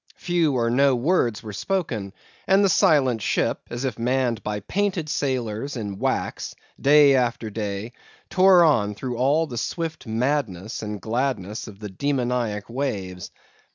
Few or no words were spoken; and the silent ship, as if manned by painted sailors in wax, day after day tore on through all the swift madness and gladness of the demoniac waves.